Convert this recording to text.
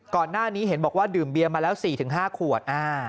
ก่อนหน้านี้เห็นบอกว่าดื่มเบียมาแล้ว๔๕ขวด